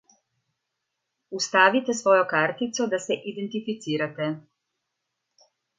Vstavite svojo kartico, da se identificirate.